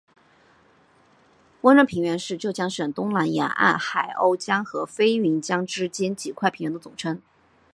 温瑞平原是浙江省东南沿海瓯江和飞云江之间几块平原的总称。